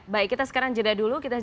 baik kita sekarang jeda dulu